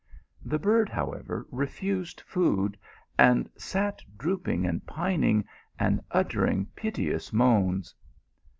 The bird, however, refused food, and sat drooping and pining, and uttering piteous moans.